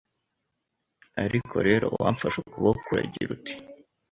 Ariko rero wamfashe ukuboko, uragira uti: